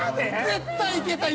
絶対いけた！